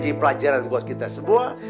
jadi pelajaran buat kita semua